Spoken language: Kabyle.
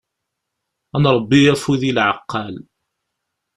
Ad nṛebbi afud i lɛeqqal.